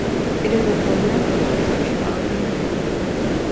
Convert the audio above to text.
It is a program about sexuality and drugs.